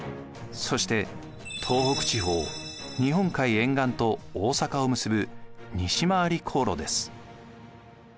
そして東北地方日本海沿岸と大坂を結ぶ西廻り航路です。